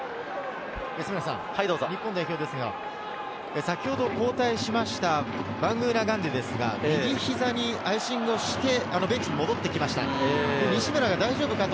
日本代表ですが、先ほど交代したバングーナガンデですが、右膝にアイシングをしてベンチに戻ってきました。